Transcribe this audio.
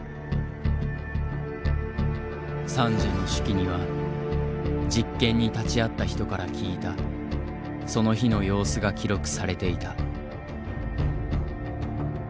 サンジエの手記には実験に立ち会った人から聞いたその日の様子が記録されていた。